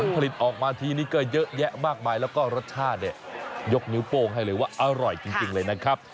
ผลิตออกมาทีนี้ก็เยอะแยะมากมายแล้วก็รสชาติเนี่ยยกนิ้วโป้งให้เลยว่าอร่อยจริงเลยนะครับ